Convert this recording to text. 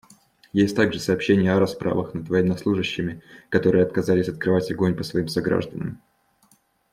Есть также сообщения о расправах над военнослужащими, которые отказались открывать огонь по своим согражданам.